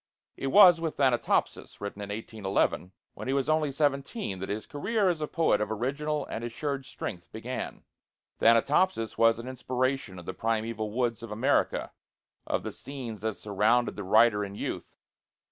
It was with 'Thanatopsis,' written in 1811, when he was only seventeen, that his career as a poet of original and assured strength began. 'Thanatopsis' was an inspiration of the primeval woods of America, of the scenes that surrounded the writer in youth.